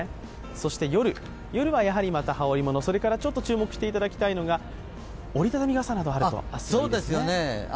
そして夜は、やはりまた羽織り物それから注目していただきたいのが折り畳み傘などあるといいですね。